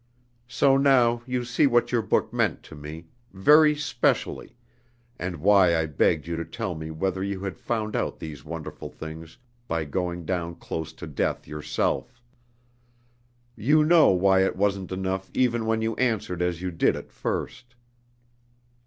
So now you see what your book meant to me, very specially, and why I begged you to tell me whether you had found out these wonderful things by going down close to death yourself. You know why it wasn't enough even when you answered as you did at first.